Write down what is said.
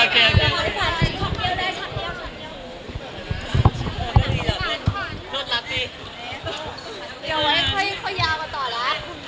ขอบคุณค่ะ